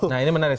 nah ini menarik